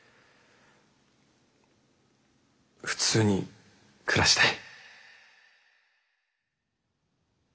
普通に暮らしたい。